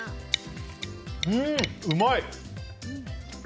うん、うまい！